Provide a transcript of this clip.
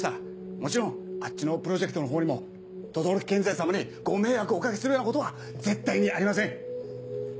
もちろんあっちのプロジェクトのほうにも等々力建材様にご迷惑をお掛けするようなことは絶対にありません。